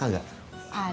gak ada kembalian